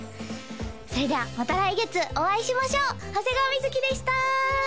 それではまた来月お会いしましょう長谷川瑞でした！